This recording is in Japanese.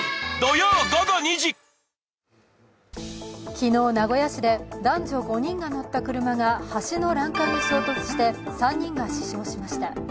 昨日、名古屋市で男女５人が乗った車が橋の欄干に衝突して３人が死傷しました。